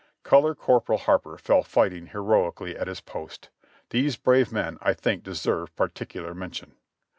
Color Corporal Harper fell fighting heroically at his post. These brave men I think deserve particular mention.